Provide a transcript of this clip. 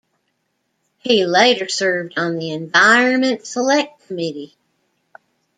He later served on the Environment Select Committee.